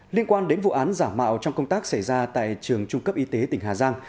liên quan đến vụ án giả mạo trong công tác xảy ra tại trường trung cấp y tế tỉnh hà giang